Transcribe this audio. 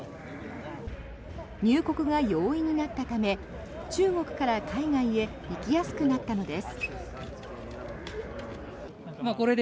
入国が容易になったため中国から海外へ行きやすくなったのです。